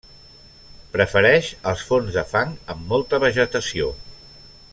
Prefereix els fons de fang amb molta vegetació.